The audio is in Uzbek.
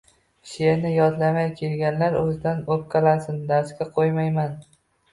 Sheʼrni yodlamay kelganlar oʻzidan oʻpkalasin, darsga qoʻymayman.